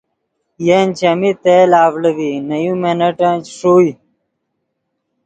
ین چیمی تیل اڤڑے ڤی نے یو منٹن چے ݰوئے